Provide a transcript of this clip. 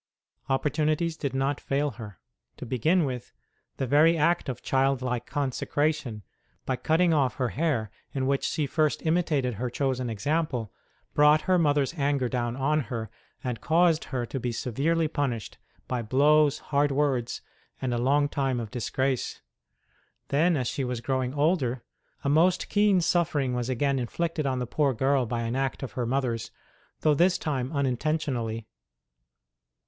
Opportunities did not fail her. To begin with, the very act of childlike consecration, by cutting off her hair, in which she first imitated her chosen example, brought her mother s anger down on her and caused her to be severely punished by blows, hard words, and a long time of disgrace. Then, as she was growing older, a most keen suffering was again inflicted on the poor girl by an act of her mother s, though this time unin tentionally.